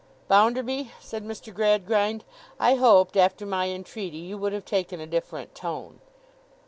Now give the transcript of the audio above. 'Bounderby,' said Mr. Gradgrind, 'I hoped, after my entreaty, you would have taken a different tone.